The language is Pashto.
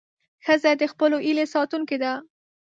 ښځه د خپلو هیلې ساتونکې ده.